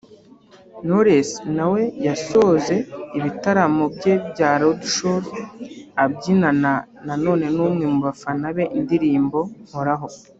Knowless nawe yasoze ibitaramo bye bya Roadshows abyinana na none n’umwe mu bafana be indirimbo ‘Nkoraho’